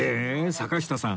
坂下さん